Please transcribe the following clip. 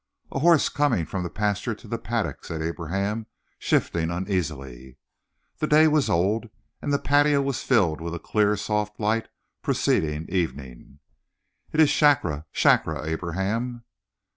"A horse coming from the pasture to the paddock," said Abraham, shifting uneasily. The day was old and the patio was filled with a clear, soft light, preceding evening. "It is Shakra! Shakra, Abraham!"